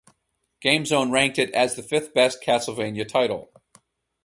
GameZone ranked it as the fifth best "Castlevania" title.